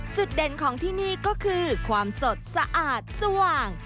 จุดเด่นของที่นี่ก็คือความสดสะอาดสว่าง